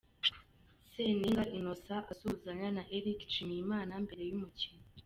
Seninga Innocent asuhuzanya na Eric Nshimiyimana mbere y'umukino.